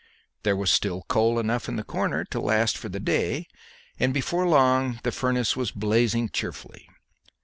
There was still coal enough in the corner to last for the day, and before long the furnace was blazing cheerfully.